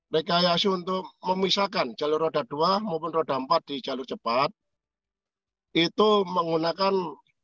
rekayasa untuk memisahkan jalur roda dua maupun roda empat di jalur jalan